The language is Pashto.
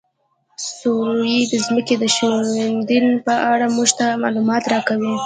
سروې د ځمکې د ښوېدنې په اړه موږ ته معلومات راکوي